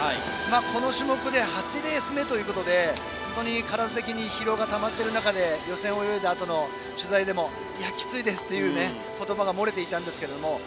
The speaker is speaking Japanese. この種目で８レース目ということで体的に疲労がたまっている中で予選を泳いだあとの取材でもきついですという言葉が漏れていたんですけれども。